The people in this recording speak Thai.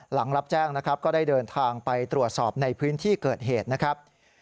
หลังรับแจ้งนะครับก็ได้เดินทางไปตรวจสอบในพื้นที่เกิดเหตุนะครับ